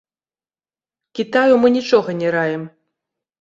Кітаю мы нічога не раім.